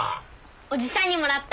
おじさんにもらった。